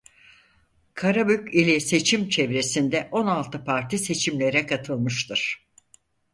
Karabük ili seçim çevresinde on altı Parti seçimlere katılmıştır.